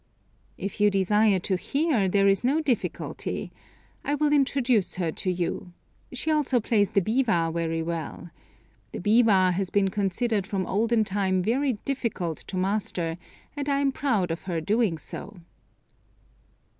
"If you desire to hear, there is no difficulty. I will introduce her to you. She also plays the biwa very well. The biwa has been considered from olden time very difficult to master, and I am proud of her doing so."